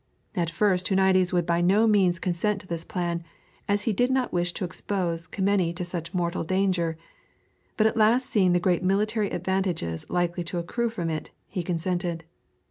At first Huniades would by no means consent to this plan, as he did not wish to expose Kemeny to such mortal danger; but at last seeing the great military advantages likely to accrue from it he consented.